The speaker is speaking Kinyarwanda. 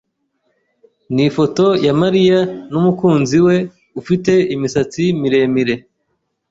Ni ifoto ya Mariya n'umukunzi we ufite imisatsi miremire.